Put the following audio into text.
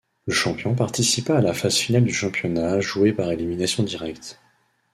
Le champion participa à la phase finale du championnat, jouée par élimination directe.